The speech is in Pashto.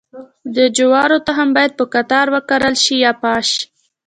د جوارو تخم باید په قطار وکرل شي که پاش؟